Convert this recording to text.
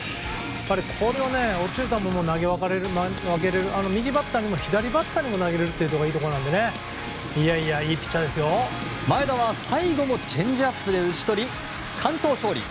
これを落ちる球も投げられる右バッターにも左バッターにも投げられるのがいいところなので前田は最後もチェンジアップで打ち取り完投勝利。